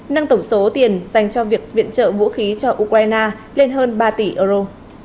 nâng tổng số tiền dành cho việc viện trợ vũ khí cho ukraine lên hơn ba tỷ euro